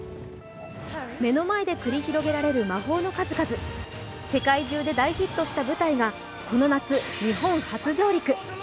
目の前で繰り広げられる魔法の数々、世界中で大ヒットした舞台が、この夏、日本初上陸。